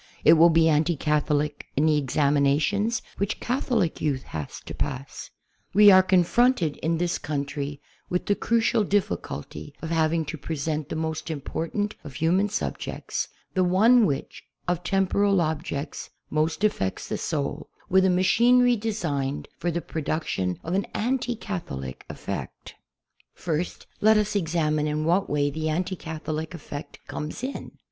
It will be anti Catholic in the examinations which Catholic youth has to pass. We are confronted in this country with the crucial difficulty of having to pre sent the most important of human subjects, the one which, of temporal subjects, most affects the soul, with a ma chinery designed for the production of an anti Catholic effect. ... Anti Catholic Methods First, let us examine in what way the anti Catholic effect comes in.